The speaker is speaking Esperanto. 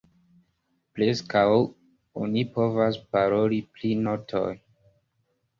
Preskaŭ oni povas paroli pri notoj.